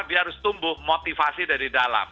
dia harus tumbuh motivasi dari dalam